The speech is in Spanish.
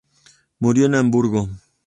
Murió en Hamburgo.